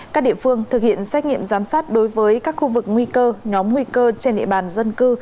các địa phương thực hiện xét nghiệm giám sát đối với các khu vực nguy cơ nhóm nguy cơ trên địa bàn dân cư